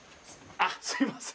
あっすみません。